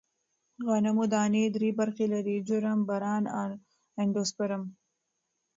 غنمو دانې درې برخې لري: جرم، بران، اندوسپرم.